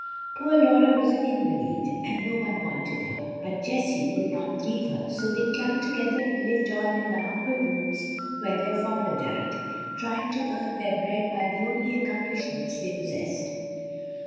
Poor Laura was an invalid, and no one wanted her; but Jessie would not leave her, so they clung together and lived on in the humble rooms where their father died, trying to earn their bread by the only accomplishments they possessed.